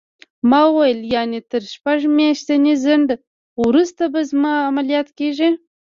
ما وویل: یعنې تر شپږ میاشتني ځنډ وروسته به زما عملیات کېږي؟